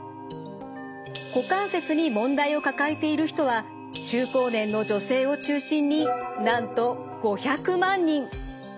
股関節に問題を抱えている人は中高年の女性を中心になんと５００万人。